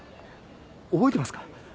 覚えてますか？